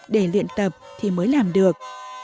để luyện tập thì mới làm được